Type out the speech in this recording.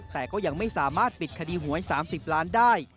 แต่ก็ยังไม่สามารถปิดคดีหวย๓๐ล้านได้